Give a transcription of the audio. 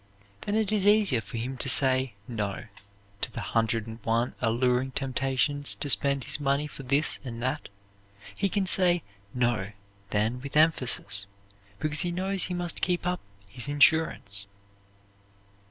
Then it is easier for him to say "No," to the hundred and one alluring temptations to spend his money for this and that. He can say "No," then with emphasis, because he knows he must keep up his insurance.